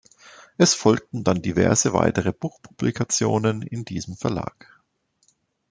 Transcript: Es folgten dann diverse weitere Buch-Publikationen in diesem Verlag.